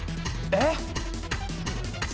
⁉えっ？